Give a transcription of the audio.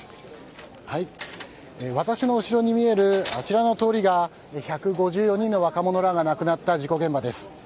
私の後ろに見えるあちらの通りが１５４人の若者らが亡くなった事故現場です。